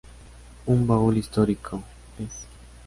Un baúl histórico", Ed.